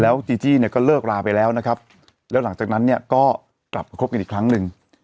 จีจี้เนี่ยก็เลิกลาไปแล้วนะครับแล้วหลังจากนั้นเนี่ยก็กลับมาคบกันอีกครั้งหนึ่ง